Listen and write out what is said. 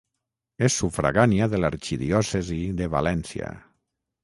És sufragània de l'arxidiòcesi de València.